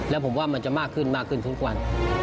แล้วผมว่ามันจะมากขึ้นมากขึ้นทุกวัน